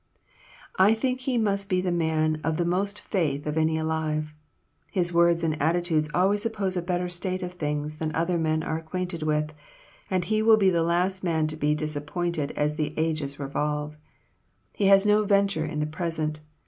I think he must be the man of the most faith of any alive. His words and attitude always suppose a better state of things than other men are acquainted with, and he will be the last man to be disappointed as the ages revolve. He has no venture in the present.